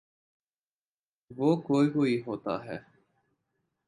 وہ کوئی کوئی ہوتا ہے۔